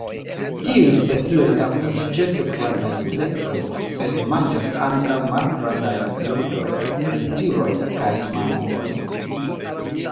Tiuj specioj kaptas ĉefe grandajn insektojn, sed manĝas ankaŭ malgrandajn birdojn, reptiliojn kaj mamulojn.